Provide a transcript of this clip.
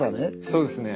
そうですね。